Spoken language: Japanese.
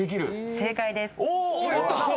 正解です。